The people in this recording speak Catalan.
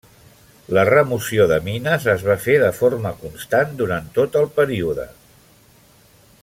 La remoció de mines es va fer de forma constant durant tot el període.